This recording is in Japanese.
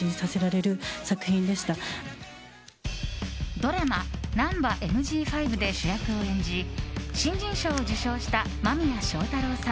ドラマ「ナンバＭＧ５」で主役を演じ新人賞を受賞した間宮祥太朗さん。